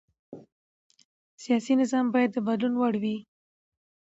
سیاسي نظام باید د بدلون وړ وي